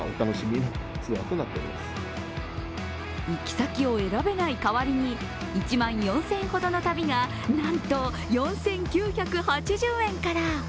行き先を選べない代わりに１万４０００円ほどの旅がなんと４９８０円から。